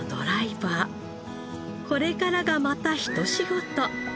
これからがまた一仕事。